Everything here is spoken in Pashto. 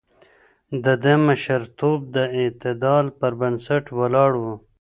د ده مشرتوب د اعتدال پر بنسټ ولاړ و.